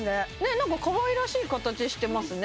なんかかわいらしい形してますね